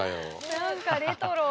何かレトロ。